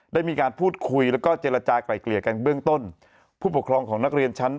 ได้มีการพูดคุยแล้วก็เจรจากลายเกลี่ยกันเบื้องต้นผู้ปกครองของนักเรียนชั้น